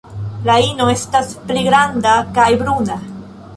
La ino estas pli granda kaj bruna.